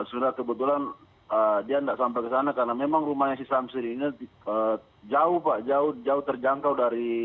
sebenarnya kebetulan dia tidak sampai ke sana karena memang rumahnya si samsiri ini jauh terjangkau dari